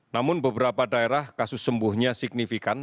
namun beberapa daerah kasus sembuhnya signifikan